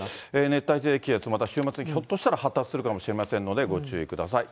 熱帯低気圧、またひょっとしたら発達するかもしれませんので、ご注意ください。